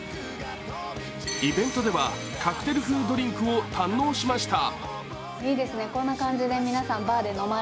イベントでは、カクテル風ドリンクを堪能しました。